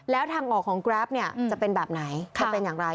แล้วทางออกของแกรปเนี่ยจะเป็นแบบไหนจะเป็นอย่างไร